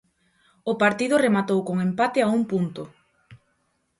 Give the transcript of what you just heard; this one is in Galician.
O partido rematou con empate a un punto.